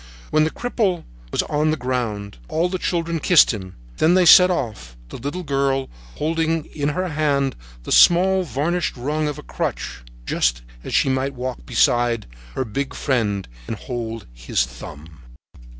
When the cripple was on the ground, all the children kissed him. Then they set off, the little girl holding in her hand the small varnished rung of a crutch, just as she might walk beside her big friend and hold his thumb.